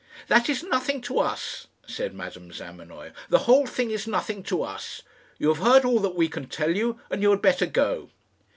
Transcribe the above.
"That is nothing to us," said Madame Zamenoy. "The whole thing is nothing to us. You have heard all that we can tell you, and you had better go."